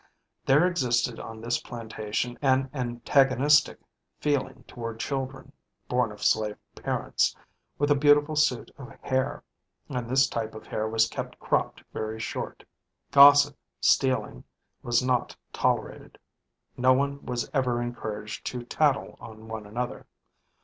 There existed on this plantation an antagonistic feeling toward children (born of slave parents) with a beautiful suit of hair, and this type of hair was kept cropped very short. Gossip, stealing, etc. was not tolerated. No one was ever encouraged to "tattle" on another.